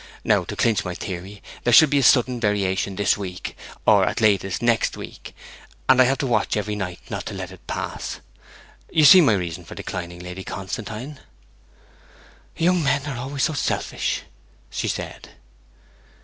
Now, to clinch my theory, there should be a sudden variation this week, or at latest next week, and I have to watch every night not to let it pass. You see my reason for declining, Lady Constantine.' 'Young men are always so selfish!' she said.